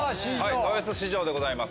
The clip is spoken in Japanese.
豊洲市場でございます